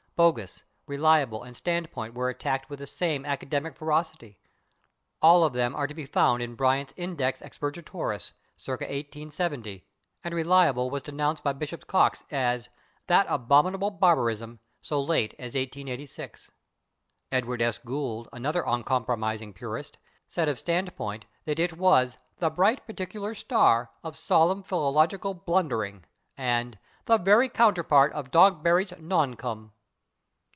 /Bogus/, /reliable/ and /standpoint/ were attacked with the same academic ferocity. All of them are to be found in Bryant's /Index Expurgatorius/ (/circa/ 1870), and /reliable/ was denounced by Bishop Coxe as "that abominable barbarism" so late as 1886. Edward S. Gould, another uncompromising purist, said of /standpoint/ that it was "the bright particular star ... of solemn philological blundering" and "the very counterpart of Dogberry's /non com